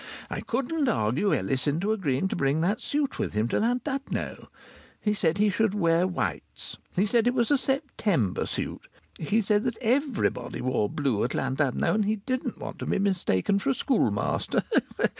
I couldn't argue Ellis into agreeing to bring that suit with him to Llandudno. He said he should wear whites. He said it was a September suit. He said that everybody wore blue at Llandudno, and he didn't want to be mistaken for a schoolmaster!